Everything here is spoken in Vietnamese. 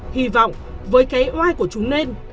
hy vọng với cái oai của chúng nên